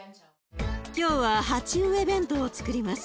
今日は鉢植え弁当をつくります。